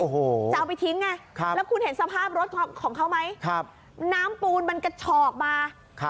โอ้โหจะเอาไปทิ้งไงแล้วคุณเห็นสภาพรถของเขาไหมน้ำปูนมันกระฉอกมา